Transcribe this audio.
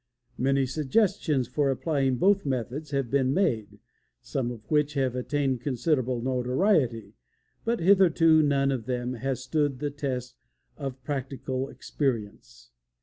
Many suggestions for applying both methods have been made, some of which have attained considerable notoriety, but hitherto none of them has stood the test of practical experience.